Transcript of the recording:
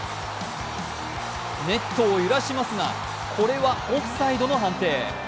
ネットを揺らしますがこれはオフサイドの判定。